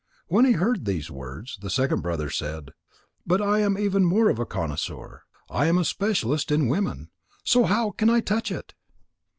When he heard these words, the second brother said: "But I am even more of a connoisseur. I am a specialist in women. So how can I touch it?"